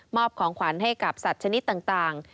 ของขวัญให้กับสัตว์ชนิดต่าง